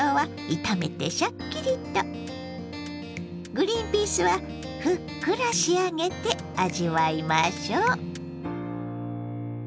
グリンピースはふっくら仕上げて味わいましょう。